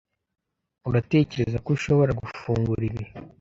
Uratekereza ko ushobora gufungura ibi?